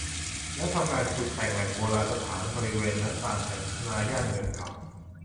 และทำการขุดแต่งแหล่งโบราณสถานบริเวณนั้นตามแผนพัฒนาย่านเมืองเก่า